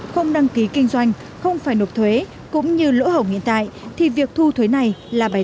không đăng ký kinh doanh không phải nộp thuế cũng như lỗ hổng hiện tại thì việc thu thuế này là bài